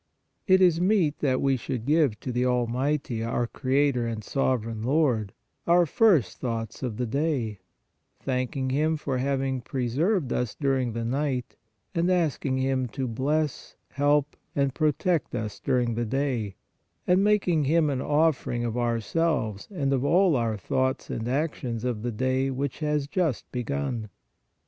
It is meet that we should give to the Almighty, our Cre ator and Sovereign Lord, our first thoughts of the day, thanking Him for having preserved us during the night, and asking Him to bless, help and protect us during the day, and making Him an offering of ourselves and of all our thoughts and actions of the day which has just begun.